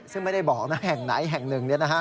ซึ่งไม่ได้บอกนะแห่งไหนแห่งหนึ่ง